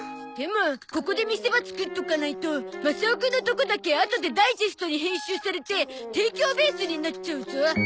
でもここで見せ場作っとかないとマサオくんのとこだけあとでダイジェストに編集されて提供ベースになっちゃうゾ。